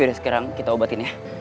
udah sekarang kita obatin ya